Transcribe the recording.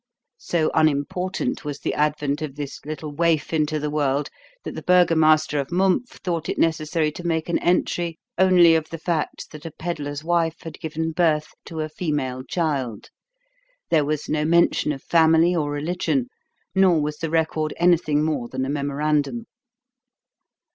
So unimportant was the advent of this little waif into the world that the burgomaster of Mumpf thought it necessary to make an entry only of the fact that a peddler's wife had given birth to a female child. There was no mention of family or religion, nor was the record anything more than a memorandum.